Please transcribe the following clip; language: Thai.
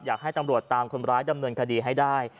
อยากให้ตำรวจตามคนร้ายดำเนินคดีให้ได้